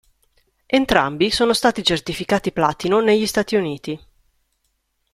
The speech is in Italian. Entrambi sono stati certificati platino negli Stati Uniti.